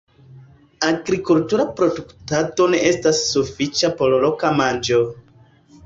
Agrikultura produktado ne estas sufiĉa por loka manĝo.